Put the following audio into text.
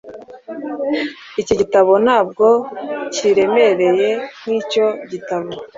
Iki gitabo ntabwo kiremereye nkicyo gitabo.